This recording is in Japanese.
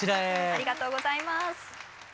ありがとうございます。